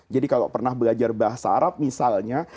jadi kalau pernah belajar bahasa arab misalnya